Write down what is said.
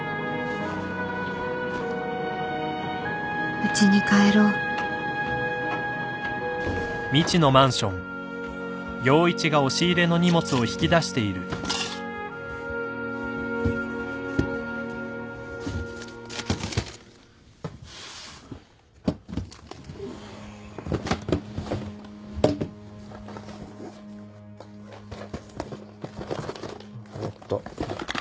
うちに帰ろうあった。